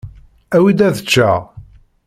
Awi-d ad eččeɣ!